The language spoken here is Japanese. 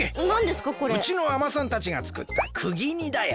うちのあまさんたちがつくったくぎ煮だよ。